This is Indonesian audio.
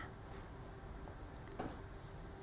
demikian outlook ekonomi indonesia di indonesia